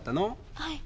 はい。